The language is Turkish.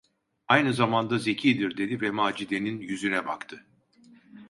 "Aynı zamanda zekidir!" dedi ve Macide’nin yüzüne baktı.